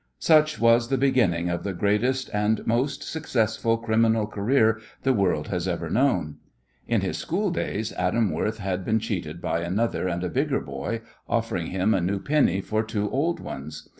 Such was the beginning of the greatest and most successful criminal career the world has ever known. In his school days Adam Worth had been cheated by another and a bigger boy offering him a new penny for two old ones.